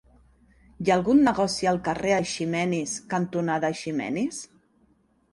Hi ha algun negoci al carrer Eiximenis cantonada Eiximenis?